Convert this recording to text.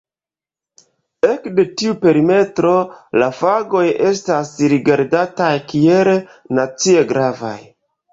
Ekde tiu perimetro la fagoj estas rigardataj kiel "nacie gravaj".